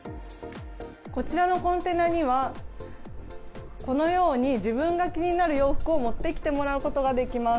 こちらのコンテナには自分が気になる洋服を持ってきてもらうことができます。